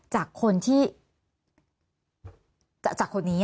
จากคนที่จากคนนี้